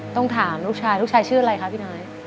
ต้องถามลูกชายลูกชายชื่ออะไรคะพี่น้อย